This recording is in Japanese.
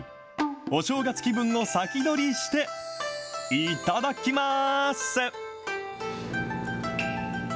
お正月気分を先取りして、いただきまーす。